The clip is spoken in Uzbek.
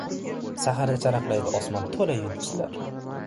Saharda charaqlaydi osmon to‘la yulduzlar…